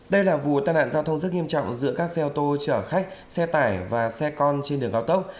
đây là vụ tai nạn giao thông rất nghiêm trọng giữa các xe ô tô chở khách xe tải và xe con trên đường cao tốc